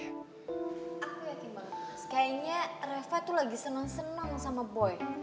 aku yakin banget kayaknya reva tuh lagi senang senang sama boy